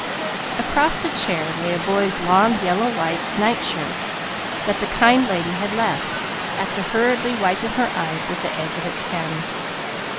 Across a chair lay a boy's long yellow white nightshirt that the kind lady had left, after hurriedly wiping her eyes with the edge of its hem.